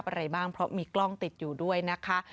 เมื่อเวลามันกลายเป้าหมายมากกว่า